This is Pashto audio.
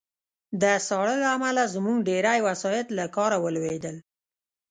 د ساړه له امله زموږ ډېری وسایط له کار ولوېدل